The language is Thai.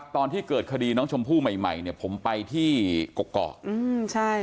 ตอนที่เกิดคดีน้องชมพู่ใหม่ผมไปที่กรกเกาะ